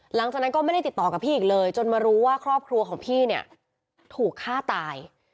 หลังจากนั้นก็ไม่ได้ติดต่อกับพี่อีกเลยจนมารู้ว่าครอบครัวของพี่เนี่ยถูกฆ่าตาย